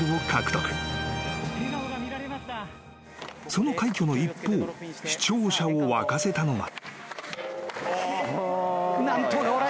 ［その快挙の一方視聴者を沸かせたのは］